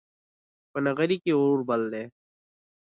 په نغري کې اور بل دی